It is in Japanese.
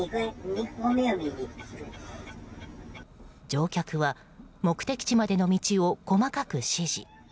乗客は目的地までの道を細かく指示。